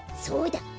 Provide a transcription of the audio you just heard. そうだ。